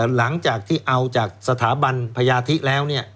หลังจากที่เอาจากสถาบันพญาธิแล้ว